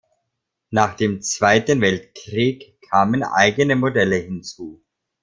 Nach dem Zweiten Weltkrieg kamen eigene Modelle hinzu.